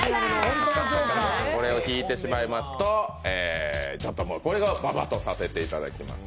これを引いてしまいますとこれをババとさせていただきます。